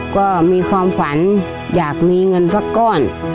ก็มีความฝันอยากมีเงินสักก้อน